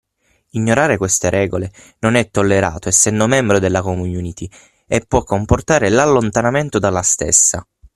Ignorare queste regole non è tollerato essendo membro della community e può comportare l’allontanamento dalla stessa.